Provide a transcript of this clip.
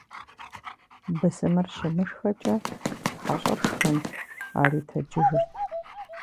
Бысымыр щымышхэкӀэ, хьэщӀэр шхэнт - ари тэджыжырт.